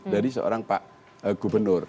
dari seorang pak gubernur